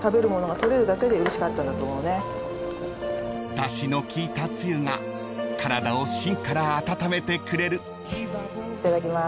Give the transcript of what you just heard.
［だしの効いたつゆが体を芯から温めてくれる］いただきます。